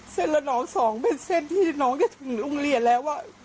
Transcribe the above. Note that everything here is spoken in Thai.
ละนอง๒เป็นเส้นที่น้องจะถึงโรงเรียนแล้ว